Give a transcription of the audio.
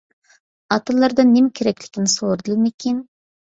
ئاتىلىرىدىن نېمە كېرەكلىكىنى سورىدىلىمىكىن.